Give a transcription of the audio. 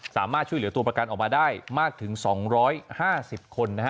สามารถช่วยเหลือตัวประกันออกมาได้มากถึงสองร้อยห้าสิบคนนะฮะ